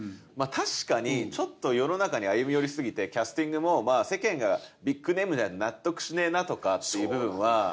確かにちょっと世の中に歩み寄りすぎてキャスティングも世間がビッグネームじゃないと納得しねえなとかっていう部分は。